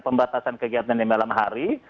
pembatasan kegiatan di malam hari